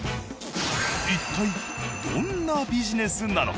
一体どんなビジネスなのか？